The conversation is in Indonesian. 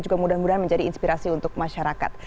juga mudah mudahan menjadi inspirasi untuk masyarakat